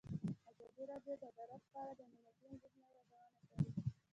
ازادي راډیو د عدالت په اړه د امنیتي اندېښنو یادونه کړې.